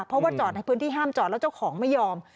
เพราะว่าจอดในพื้นที่ห้ามจอดแล้วเจ้าของไม่ยอม